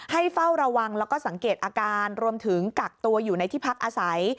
เฝ้าระวังแล้วก็สังเกตอาการรวมถึงกักตัวอยู่ในที่พักอาศัย